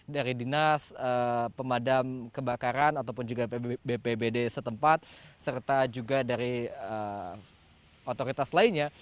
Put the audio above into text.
dari dinas pemadam kebakaran ataupun juga bpbd setempat serta juga dari otoritas lainnya